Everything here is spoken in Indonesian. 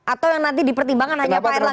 atau yang nanti dipertimbangkan hanya pak erlangga